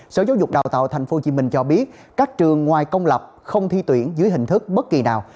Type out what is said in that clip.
sở giáo dục đào tạo tp hcm cho biết các trường ngoài công lập không thi tuyển dưới hình thức bất kỳ nào